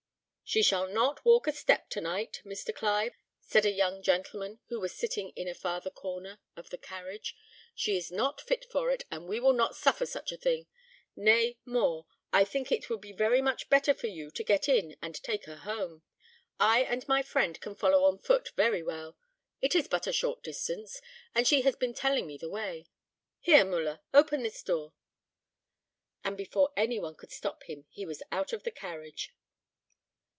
"She shall not walk a step to night, Mr. Clive," said a young gentleman, who was sitting in the farther corner of the carriage; "she is not fit for it; and we will not suffer such a thing. Nay more, I think it would be very much better for you to get in and take her home. I and my friend can follow on foot very well. It is but a short distance, and she has been telling me the way. Here, Müller, open this door." And before any one could stop him he was out of the carriage.